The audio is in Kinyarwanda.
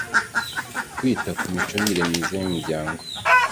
kwita ku micungire myiza y umuryango